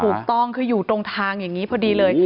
ถูกต้องคืออยู่ตรงทางอย่างนี้พอดีเลย